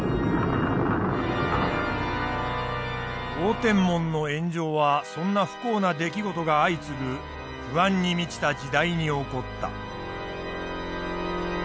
応天門の炎上はそんな不幸な出来事が相次ぐ不安に満ちた時代に起こった。